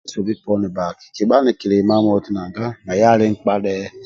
Sobi poni bba kikibha nikili imamoti nanga naye ali nkpa dhe